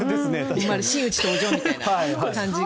真打ち登場みたいな感じが。